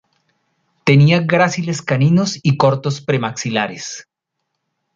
Tenía gráciles caninos y cortos premaxilares.